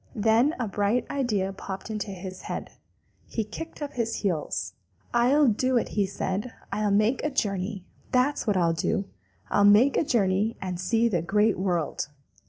Then a bright idea popped into his head. He kicked up his heels. "I'll do it," said he. "I'll make a journey! That's what I'll do! I'll make a journey and see the Great World.